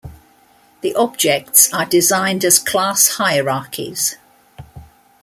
The objects are designed as class hierarchies.